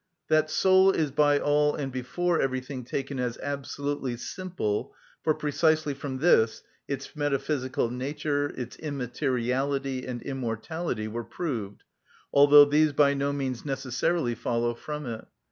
That soul is by all and before everything taken as absolutely simple; for precisely from this its metaphysical nature, its immateriality and immortality were proved, although these by no means necessarily follow from it.